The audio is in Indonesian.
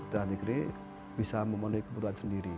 pendok di tiranjikri bisa memenuhi kebutuhan sendiri